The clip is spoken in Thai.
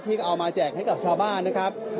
เอามาแจกให้กับชาวบ้านนะครับ